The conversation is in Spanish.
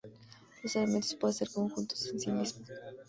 Los elementos pueden ser conjuntos en sí mismos.